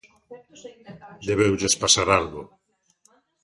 Debeulles pasar algo.